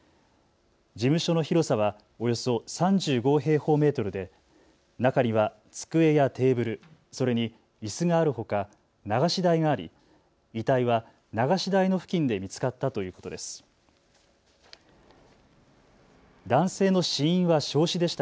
事務所の広さはおよそ３５平方メートルで中には机やテーブル、それにいすがあるほか、流し台があり、遺体は流し台の付近で見つかったということです。